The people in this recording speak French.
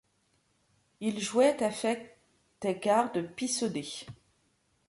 Ile jhouait afec tes gardes pissaudées...